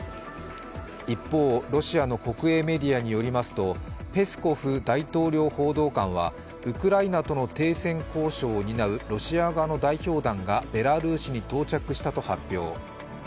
一方、ロシアの国営メディアによりますと、ペスコフ大統領報道官はウクライナとの停戦交渉を担うロシア側の代表団がベラルーシに到着したと発表。